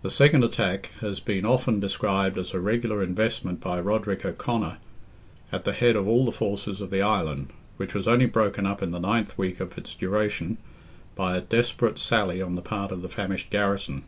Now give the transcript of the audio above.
The second attack has been often described as a regular investment by Roderick O'Conor, at the head of all the forces of the Island, which was only broken up in the ninth week of its duration, by a desperate sally on the part of the famished garrison.